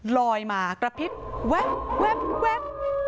ลอยมากระพิบแว๊บแว๊บแว๊บ